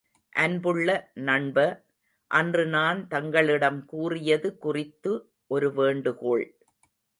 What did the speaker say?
அன்புள்ள நண்ப, அன்று நான் தங்களிடம் கூறியது குறித்து ஒரு வேண்டுகோள்.